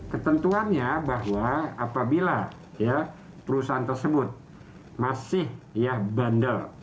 ketentuannya bahwa apabila perusahaan tersebut masih ya bandel